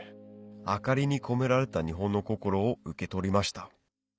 明かりに込められた日本の心を受け取りました